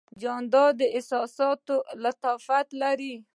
جانداد د احساساتو لطافت لري.